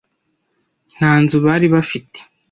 Nta nzu bari bafite.